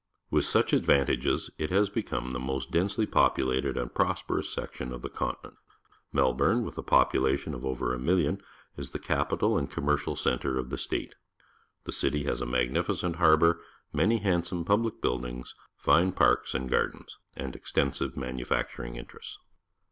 With such ad vantages it has become the most densely pop ulated and prosperous section of the con tinent. AleJi/oui ne, with a population of over a million, is the capital and commercial centre of the state. The city has a magnificent harbour, many handsome pubUc buildings, fine parks and gardens, and extensive manu facturing interests.